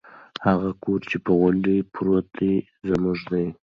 هغه کور چې په غونډۍ پروت دی زموږ دی.